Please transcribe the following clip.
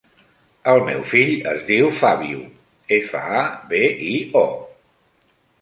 El meu fill es diu Fabio: efa, a, be, i, o.